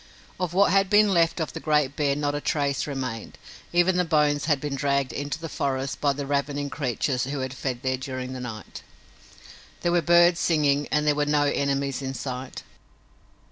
Of what had been left of the great bear not a trace remained. Even the bones had been dragged into the forest by the ravening creatures who had fed there during the night. There were birds singing and there were no enemies in sight.